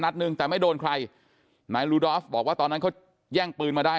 หนึ่งแต่ไม่โดนใครนายลูดอฟบอกว่าตอนนั้นเขาแย่งปืนมาได้